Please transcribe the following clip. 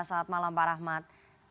saat malam pak rahmat